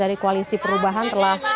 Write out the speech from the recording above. dari koalisi perubahan telah